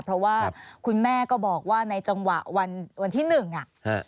เพราะว่าคุณแม่ก็บอกว่าในจังหวะวันที่หนึ่งอ่ะ